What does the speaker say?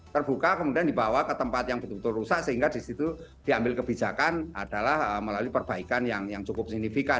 terbuka kemudian dibawa ke tempat yang betul betul rusak sehingga disitu diambil kebijakan adalah melalui perbaikan yang cukup signifikan